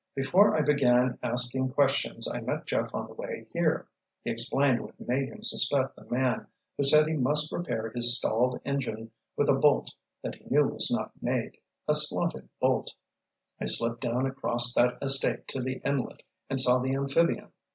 "Before I began asking questions I met Jeff on the way here." He explained what made him suspect the man who said he must repair his "stalled" engine with a bolt that he knew was not made—a slotted bolt. "I slipped down across that estate to the inlet and saw the amphibian.